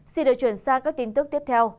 xin được chuyển sang các tin tức tiếp theo